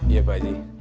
iya pak aji